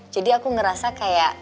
jadi aku ngerasa kayak